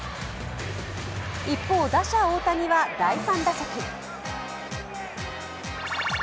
一方、打者・大谷は第３打席。